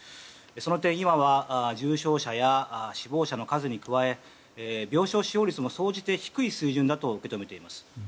その点、今は重症者や死亡者の数に加え病床使用率も総じて低い水準だと受け止めています。